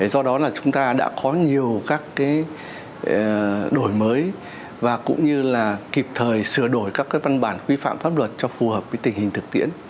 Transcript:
do đó là chúng ta đã có nhiều các đổi mới và cũng như là kịp thời sửa đổi các văn bản quy phạm pháp luật cho phù hợp với tình hình thực tiễn